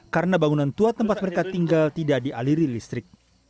karena bangunan tua tempat mereka tinggal tidak dialiri listrik